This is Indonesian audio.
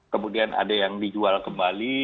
kemudian ada yang dijual kembali